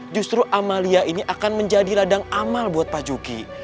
justru amalia ini akan menjadi ladang amal buat pak juki